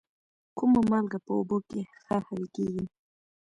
کومه مالګه په اوبو کې ښه حل کیږي؟